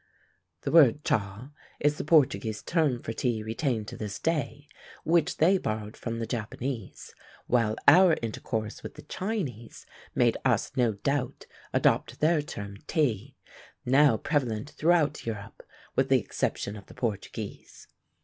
The word Cha is the Portuguese term for tea retained to this day, which they borrowed from the Japanese; while our intercourse with the Chinese made us no doubt adopt their term Theh, now prevalent throughout Europe, with the exception of the Portuguese.